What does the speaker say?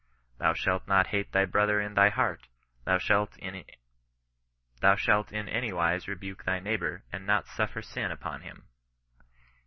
*^ Thou shalt not hate thy brother in thy heart : thou malt in anywise rebuke thy neighbour, and not suffer sin upon him."